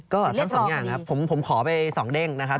ก็ทั้งสองอย่างครับผมขอไป๒เด้งนะครับ